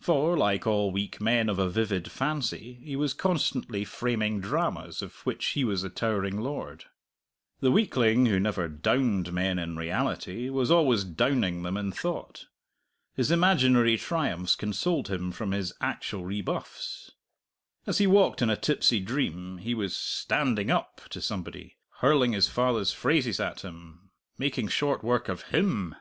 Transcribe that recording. For, like all weak men of a vivid fancy, he was constantly framing dramas of which he was the towering lord. The weakling who never "downed" men in reality was always "downing" them in thought. His imaginary triumphs consoled him for his actual rebuffs. As he walked in a tipsy dream, he was "standing up" to somebody, hurling his father's phrases at him, making short work of him!